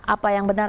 apa yang benar